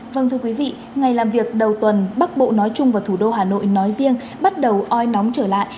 vâng thưa quý vị ngày làm việc đầu tuần bắc bộ nói chung và thủ đô hà nội nói riêng bắt đầu oi nóng trở lại